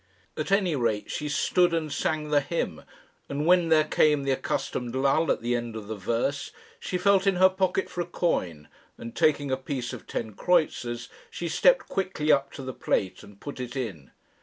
At any rate she stood and sang the hymn, and when there came the accustomed lull at the end of the verse, she felt in her pocket for a coin, and, taking a piece of ten kreutzers, she stepped quickly up to the plate and put it in.